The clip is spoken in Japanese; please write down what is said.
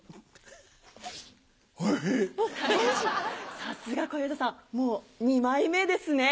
さすが小遊三さんもう二枚目ですね。